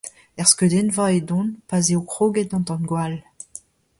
Er skeudennva edon pa'z eo kroget an tangwall.